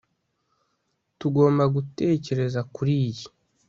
tugomba gutekereza kuri iyi